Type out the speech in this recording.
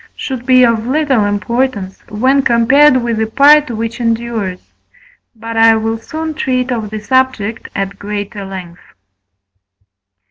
should be of little importance when compared with the part which endures. But I will soon treat of the subject at greater length.